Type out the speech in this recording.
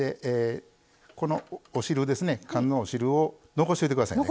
このお汁ですね缶のお汁を残しといてくださいね。